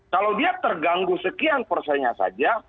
kalau dia terganggu sekian persennya saja